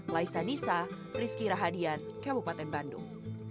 laisa nisa rizky rahadian kabupaten bandung